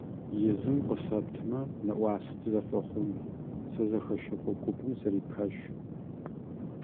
Изын къысэптымэ нэӏуасэ тызэфэхъун, сэ зэхэщэкӏо купым сырипащ.